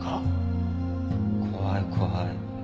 怖い怖い。